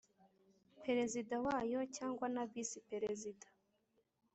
Perezida wayo cyangwa na Visi Perezida